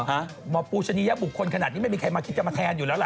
หมอปูชะนียบุคคลขนาดนี้ไม่มีใครมาคิดจะมาแทนอยู่แล้วล่ะ